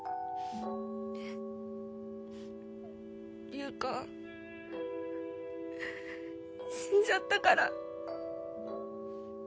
優香ううっ死んじゃったから。